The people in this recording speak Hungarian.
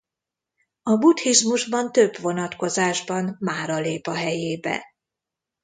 A buddhizmusban több vonatkozásban Mára lép a helyébe.